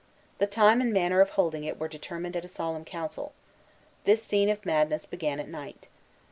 The time and manner of holding it were determined at a solemn council. This scene of madness began at night.